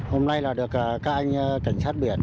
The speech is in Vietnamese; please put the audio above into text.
hôm nay là được các anh cảnh sát biển